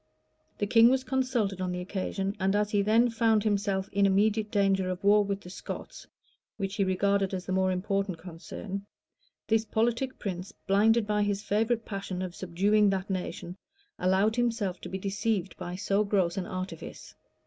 The king was consulted on the occasion; and as he then found himself in immediate danger of war with the Scots, which he regarded as the more important concern, this politic prince, blinded by his favorite passion for subduing that nation, allowed himself to be deceived by so gross an artifice.